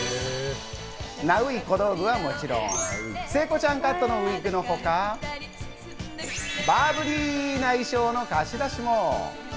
ナウい小道具はもちろん、聖子ちゃんカットのウィッグのほか、バブリーな衣装の貸し出しも。